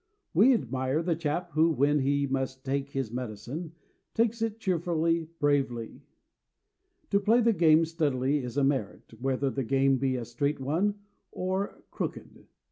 We admire the chap who, when he must take his medicine, takes it cheerfully, bravely. To play the game steadily is a merit, whether the game be a straight one or crooked.